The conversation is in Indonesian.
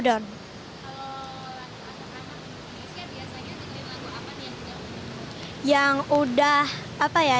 kalau lagu anak anak di indonesia biasanya terima lagu apa yang sudah anda dengar